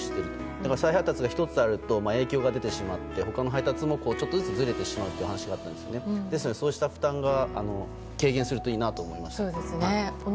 だから再配達が１つあると影響が出てしまうし他の配達もちょっとずつずれてしまうという話だったのでそうした負担が軽減するといいなと思いました。